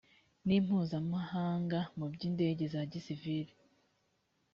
nimpuzamahanga mu by’ indege za gisivili.